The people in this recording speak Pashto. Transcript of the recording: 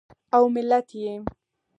او ملت یې